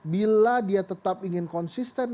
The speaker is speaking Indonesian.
bila dia tetap ingin konsisten